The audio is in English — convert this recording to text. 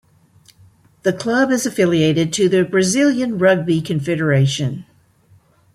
The Club is affiliated to the Brazilian Rugby Confederation.